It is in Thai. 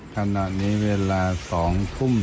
ถนาดนี้เวลา๒ทุ่ม